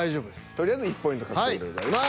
とりあえず１ポイント獲得でございます。